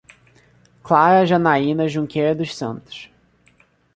Clara Janayna Junqueira dos Santos